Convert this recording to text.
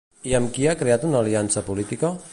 I amb qui ha creat una aliança política?